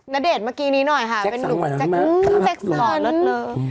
ณเดชน์เมื่อกี้นี้หน่อยค่ะเป็นลูกอืมเจ็กสันหล่อเลิศเตอร์